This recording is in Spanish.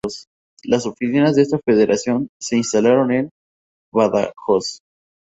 Las oficinas de esta Federación se instalaron en Badajoz.